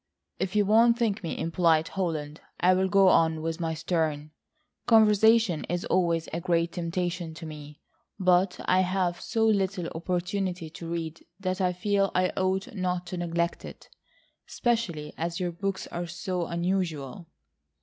"If you won't think me impolite, Holland, I'll go on with my Sterne. Conversation is always a great temptation to me, but I have so little opportunity to read that I feel I ought not to neglect it,—especially as your books are so unusual."